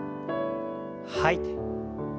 吐いて。